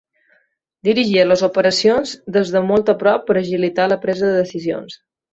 Dirigia les operacions des de molt a prop per agilitar la presa de decisions.